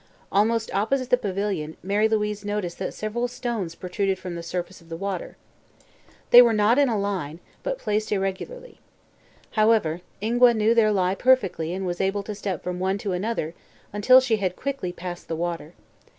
Almost opposite the pavilion Mary Louise noticed that several stones protruded from the surface of the water. They were not in a line, but placed irregularly. However, Ingua knew their lie perfectly and was able to step from one to another until she had quickly passed the water.